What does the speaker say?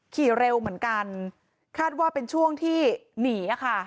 ขี่เร็วเหมือนกันคาดว่าเป็นช่วงที่หนีค่ะ